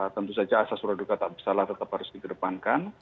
tentu saja asas surat duka tak bersalah tetap harus dikedepankan